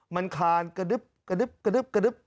มันคานกระดึ๊บกระดึ๊บกระดึ๊บกระดึ๊บ